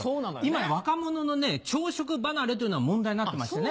今若者の朝食離れというのは問題になってましてね。